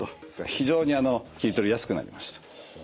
非常に切り取りやすくなりました。